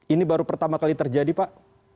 ini baru pertama kali terjadi pak